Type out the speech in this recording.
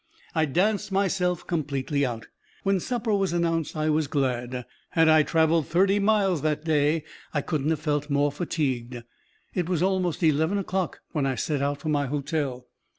I danced myself completely out. When supper was announced I was glad. Had I traveled thirty miles that day I couldn't have felt more fatigued. It was almost eleven o'clock when I set out for my hotel.